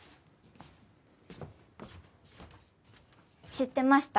知ってました？